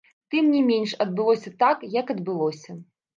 Тым не менш, адбылося так, як адбылося.